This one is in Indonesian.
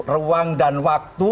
ruang dan waktu